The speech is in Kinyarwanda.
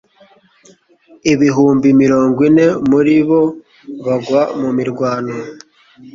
ibihumbi mirongo ine muri bo bagwa mu mirwano